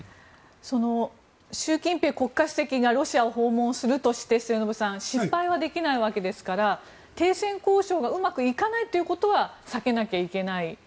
習近平国家主席がロシアを訪問するとして末延さん失敗はできないわけですから停戦交渉がうまくいかないということは避けなきゃいけない。